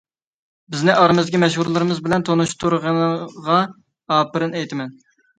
بىزنى ئارىمىزدىكى مەشھۇرلىرىمىز بىلەن تونۇشتۇرغىنىغا ئاپىرىن ئېيتىمەن.